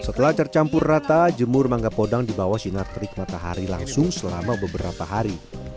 setelah tercampur rata jemur mangga podang di bawah sinar terik matahari langsung selama beberapa hari